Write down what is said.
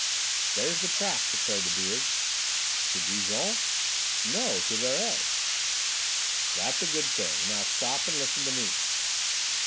"There's the track," declared the Beard. "To Dijon?" "No, to Verrez." "That's a good thing; now, stop and listen to me."